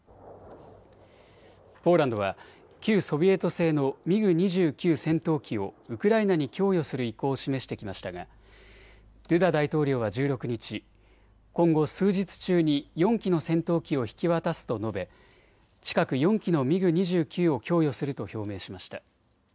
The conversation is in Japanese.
ポーランドは旧ソビエト製のミグ２９戦闘機をウクライナに供与する意向を示してきましたがドゥダ大統領は１６日、今後、数日中に４機の戦闘機を引き渡すと述べ近く４機のミグ２９を供与すると表明しました。